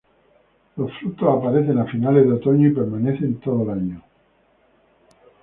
Los frutos aparecen a finales de otoño y permanecen todo el año.